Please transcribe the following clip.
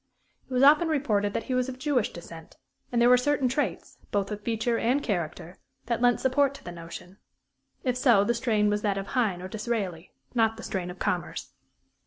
It was often reported that he was of Jewish descent, and there were certain traits, both of feature and character, that lent support to the notion. If so, the strain was that of Heine or Disraeli, not the strain of Commerce.